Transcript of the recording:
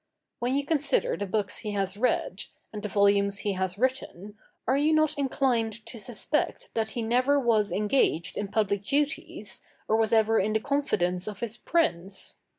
When you consider the books he has read, and the volumes he has written, are you not inclined to suspect that he never was engaged in public duties or was ever in the confidence of his prince?